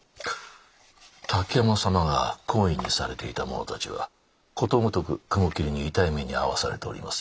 滝山様が懇意にされていた者たちはことごとく雲霧に痛い目に遭わされております